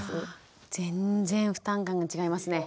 全然負担感が違いますね。